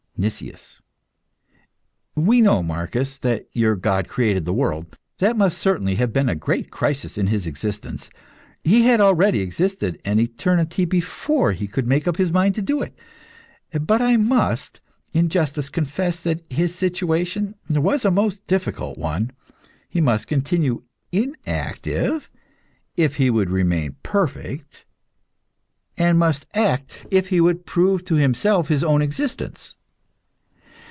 NICIAS. We know, Marcus, that your God created the world. That must certainly have been a great crisis in His existence. He had already existed an eternity before He could make up His mind to it. But I must, in justice, confess that His situation was a most difficult one. He must continue inactive if He would remain perfect, and must act if He would prove to Himself His own existence.